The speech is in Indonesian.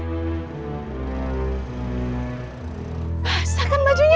basah kan bajunya